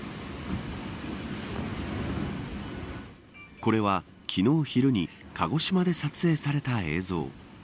これは昨日、昼に鹿児島で撮影された映像。